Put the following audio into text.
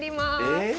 え？